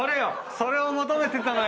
それを求めてたのよ！